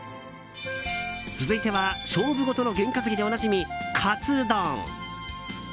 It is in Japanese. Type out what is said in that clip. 続いては勝負ごとの験担ぎでおなじみカツ丼！